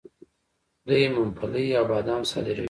دوی ممپلی او بادام صادروي.